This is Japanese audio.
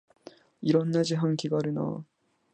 いろんな自販機があるなあ